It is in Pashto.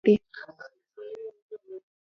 او خپل حکومت پرې وکړي.